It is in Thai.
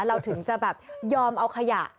เราถึงจะแบบยอมเอาขยะ